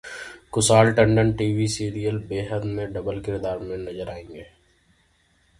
Kushal Tandon TV serial 'Behad' में double किरदार में आएंगे नजर